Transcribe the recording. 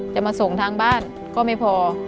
จะมาส่งทางบ้านก็ไม่พอ